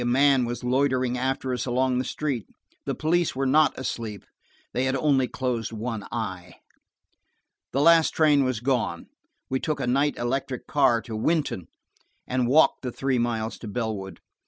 A man was loitering after us along the street. The police were not asleep, they had only closed one eye. The last train had gone. We took a night electric car to Wynton, and walked the three miles to Bellwood.